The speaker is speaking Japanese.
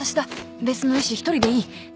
「別の医師１人でいい。頼む！」